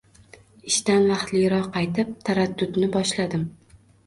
Ishdan vaqtliroq qaytib, taraddudni boshladim